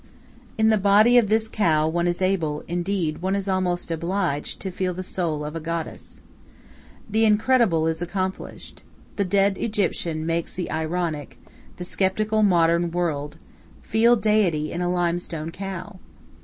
In the body of this cow one is able, indeed one is almost obliged, to feel the soul of a goddess. The incredible is accomplished. The dead Egyptian makes the ironic, the skeptical modern world feel deity in a limestone cow.